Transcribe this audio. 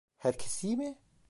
Herkes iyi mi?